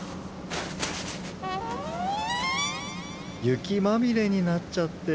ゆきまみれになっちゃって。